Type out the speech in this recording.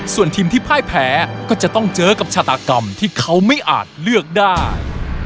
ส่วนทีมที่พ่ายแพ้ก็จะต้องเจอกับชาตากรรมที่เขาไม่อาจเลือกได้